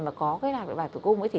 mà có lạc đội bạc tử cung